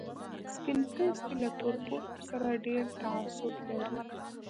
سپين پوستي له تور پوستو سره ډېر تعصب لري.